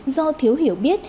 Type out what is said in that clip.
do thiếu hiểu biết